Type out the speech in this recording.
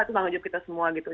itu tanggung jawab kita semua gitu